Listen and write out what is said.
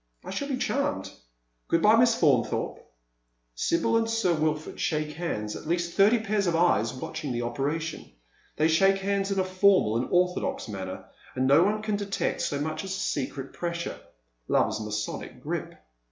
" I shall be charmed. Good bye Miss Faunthorpe." Sibyl and Sir Wilford shake hands, at least thirty pairs of eyes watching the operation. They shake hands in a formal and orthodox manner, and no one can detect so much as a secret pressure — love's Masonic grip.